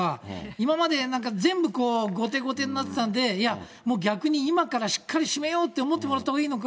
今まで、なんか全部、後手後手になってたんで、いや、もう逆に今からしっかり締めようって思ってもらったほうがいいのか。